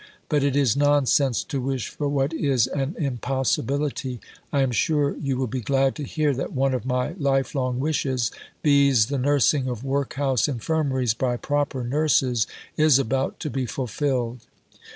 But it is nonsense to wish for what is an impossibility. I am sure you will be glad to hear that one of my life long wishes, viz. the nursing of Workhouse Infirmaries by proper Nurses, is about to be fulfilled.